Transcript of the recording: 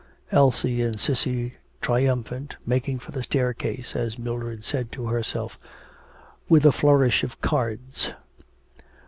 Elsie and Cissy triumphant, making for the staircase, as Mildred said to herself, 'with a flourish of cards.'